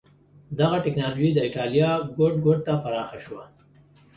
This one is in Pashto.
دغه ټکنالوژي د اېټالیا ګوټ ګوټ ته پراخه شوه.